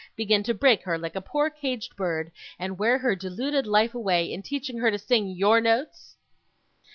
begin to break her, like a poor caged bird, and wear her deluded life away, in teaching her to sing YOUR notes?